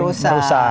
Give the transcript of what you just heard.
mencari ekstrum rusak